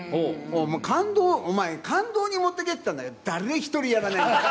感動、お前、感動に持ってけって、誰一人やらないんだ。